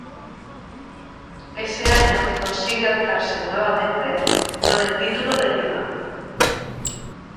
Ese año consigue alzarse nuevamente con el título de Liga.